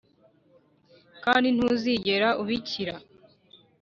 kandi ntuzigera ubikira.